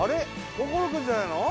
心君じゃないの？